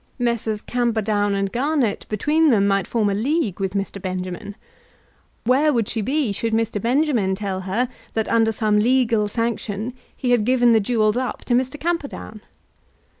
Messrs. Camperdown and Garnett between them might form a league with Mr. Benjamin. Where would she be, should Mr. Benjamin tell her that under some legal sanction he had given the jewels up to Mr. Camperdown?